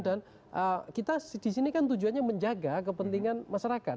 dan kita disini kan tujuannya menjaga kepentingan masyarakat